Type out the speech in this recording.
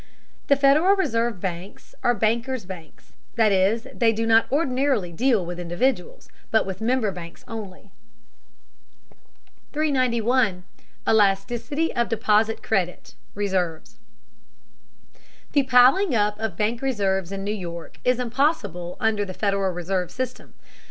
The Federal Reserve banks are bankers' banks, that is, they do not ordinarily deal directly with individuals, but with member banks only. 391. ELASTICITY OF DEPOSIT CREDIT (RESERVES). The piling up of bank reserves in New York is impossible under the Federal Reserve system.